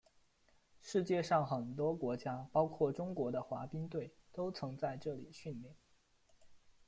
世界上很多国家包括中国的滑冰队都曾在这里训练。